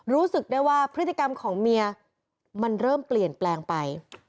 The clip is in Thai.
รู้สึกได้ว่าพฤติกรรมของเมียมันเริ่มเปลี่ยนแปลงไป